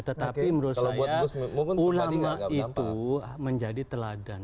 tetapi menurut saya ulama itu menjadi teladan